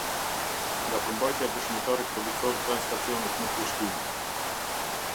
Nga përmbajtja e dëshmitarit policor pranë stacionit në Prishtinë.